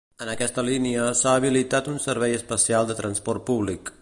En aquesta línia, s’ha habilitat un servei especial de transport públic.